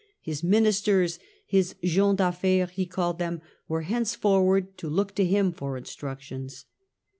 His ministers— his gens d'affaires , he called them — were henceforward to look to him for instructions.